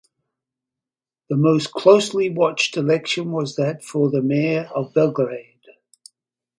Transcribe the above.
The most closely watched election was that for mayor of Belgrade.